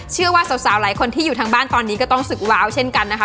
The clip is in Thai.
เชื่อว่าสาวหลายคนที่อยู่ทางบ้านตอนนี้ก็ต้องศึกว้าวเช่นกันนะคะ